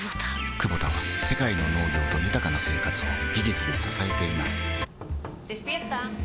クボタは世界の農業と豊かな生活を技術で支えています起きて。